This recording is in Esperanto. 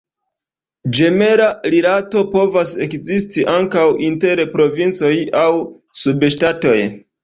Ĝemela rilato povas ekzisti ankaŭ inter provincoj aŭ subŝtatoj.